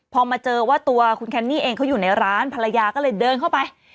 พอมาเจอว่าตัวคุณแคนนี่เองเขาอยู่ในร้านภรรยาก็เลยเดินเข้าไป